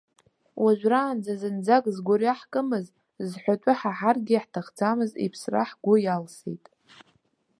Уажәраанӡа зынӡак згәырҩа ҳкымыз, зҳәатәы ҳаҳаргьы ҳҭахӡамыз, иԥсра ҳгәы иалсит.